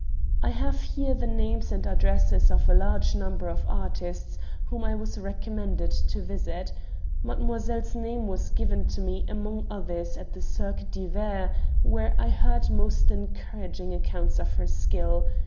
"I have here the names and addresses of a large number of artists whom I was recommended to visit. Mademoiselle's name was given to me among others at the Cirque d'Hiver, where I heard most encouraging accounts of her skill.